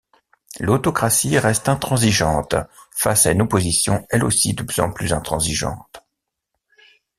L'autocratie reste intransigeante face à une opposition elle aussi de plus en plus intransigeante.